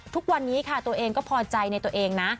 ทุกวันนี้ค่ะตัวเองก็พอใจในตัวเองนะ